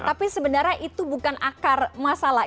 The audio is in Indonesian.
tapi sebenarnya itu bukan akar masalah